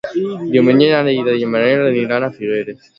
Diumenge na Neida i en Manel aniran a Figueres.